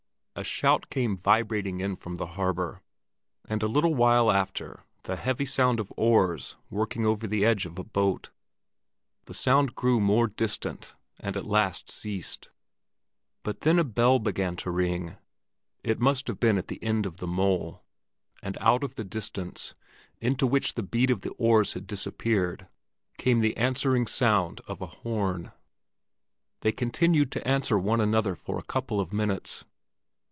A shout came vibrating in from the harbor, and a little while after the heavy sound of oars working over the edge of a boat. The sound grew more distant and at last ceased; but then a bell began to ring—it must have been at the end of the mole—and out of the distance, into which the beat of the oars had disappeared, came the answering sound of a horn. They continued to answer one another for a couple of minutes.